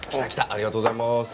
ありがとうございます。